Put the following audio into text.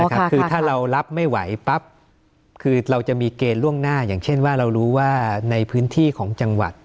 คือถ้าเรารับไม่ไหวปั๊บคือเราจะมีเกณฑ์ล่วงหน้าอย่างเช่นว่าเรารู้ว่าในพื้นที่ของจังหวัด